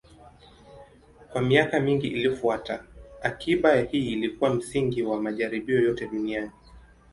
Kwa miaka mingi iliyofuata, akiba hii ilikuwa msingi wa majaribio yote duniani.